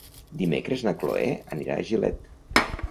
Dimecres na Cloè anirà a Gilet.